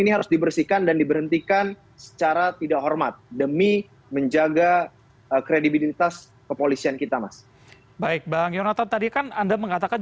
nah ketika wartinya yang berlatih ada macam dan lupa berkata